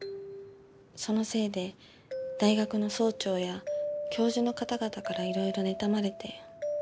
そのせいで大学の総長や教授の方々からいろいろ妬まれて。